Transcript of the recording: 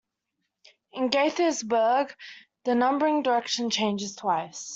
In Gaithersburg, the numbering direction changes twice.